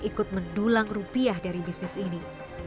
ikut mendulang rupiah dari bisnis ini